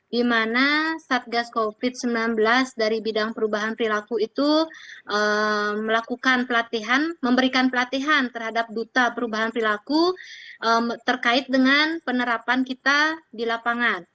di mana satgas covid sembilan belas dari bidang perubahan perilaku itu melakukan pelatihan memberikan pelatihan terhadap duta perubahan perilaku terkait dengan penerapan kita di lapangan